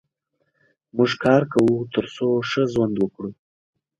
موږ کار کوو تر څو ښه ژوند وکړو.